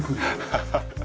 ハハハハ。